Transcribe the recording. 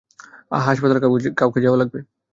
হাসপাতালে কাউকে যাওয়া লাগবে।